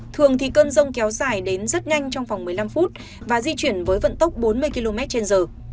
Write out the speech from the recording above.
thường thì cơn rông kéo dài đến rất nhanh trong vòng một mươi năm phút và di chuyển với vận tốc bốn mươi km trên giờ